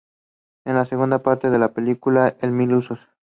Es la segunda parte de la película "El mil usos".